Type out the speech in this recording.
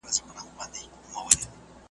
څوک چي چړیانو ملایانو ته جامې ورکوي .